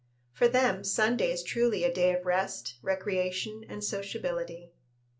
For them Sunday is truly a day of rest, recreation, and sociability.